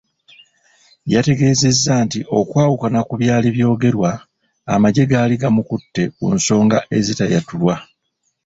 Yategeeza nti okwawukana kubyali byogerwa, amagye gaali gamukutte ku nsonga ezitaayatulwa.